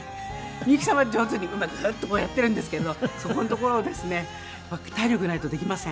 みゆきさんは上手にうまくグッとこうやってるんですけどそこのところをですね体力ないとできません。